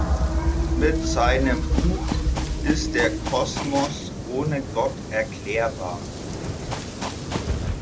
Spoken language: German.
Mit seinem Buch "Ist der Kosmos ohne Gott erklärbar?